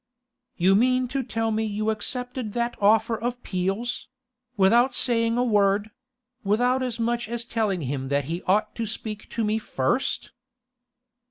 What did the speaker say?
'You mean to tell me you accepted that offer of Peel's—without saying a word—without as much as telling him that he ought to speak to me first?